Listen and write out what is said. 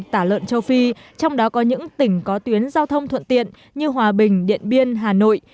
trong đó có những tỉnh có tuyến giao thông thuận tiện như hòa bình điện biên hà nội